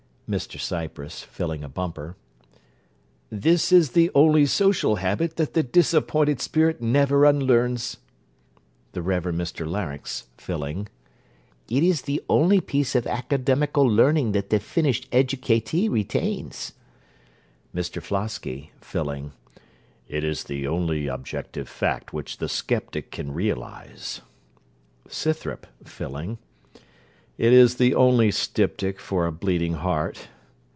MR CYPRESS (filling a bumper) This is the only social habit that the disappointed spirit never unlearns. THE REVEREND MR LARYNX (filling) It is the only piece of academical learning that the finished educatee retains. MR FLOSKY (filling) It is the only objective fact which the sceptic can realise. SCYTHROP (filling) It is the only styptic for a bleeding heart.